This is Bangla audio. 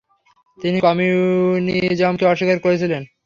তিনি কমিউনিজমকে অস্বীকার করেছিলেন।